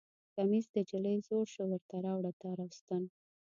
کمیس د نجلۍ زوړ شو ورته راوړه تار او ستن